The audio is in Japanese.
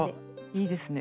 いいですね。